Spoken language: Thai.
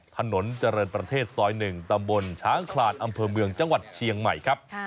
ถนนเจริญประเทศซอย๑ตำบลช้างคลานอำเภอเมืองจังหวัดเชียงใหม่ครับ